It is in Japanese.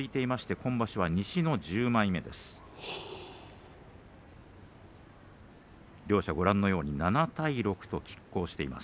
今場所は西の１０枚目です。両者、７対６ときっ抗しています